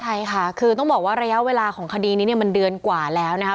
ใช่ค่ะคือต้องบอกว่าระยะเวลาของคดีนี้เนี่ยมันเดือนกว่าแล้วนะครับ